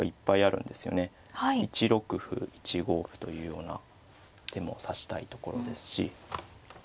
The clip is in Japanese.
１六歩１五歩というような手も指したいところですし。